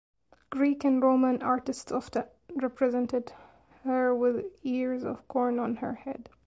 Greek and Roman artists often represented her with ears of corn on her head.